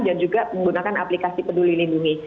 dan juga menggunakan aplikasi peduli lindung